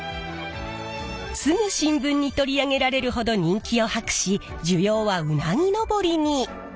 すぐ新聞に取り上げられるほど人気を博し需要はうなぎ登りに！